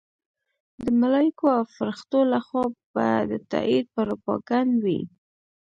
د ملایکو او فرښتو لخوا به د تایید پروپاګند وي.